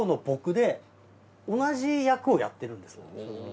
僕で同じ役をやってるんです。